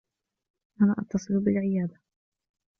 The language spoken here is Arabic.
أنا أتّصل بالعيادة.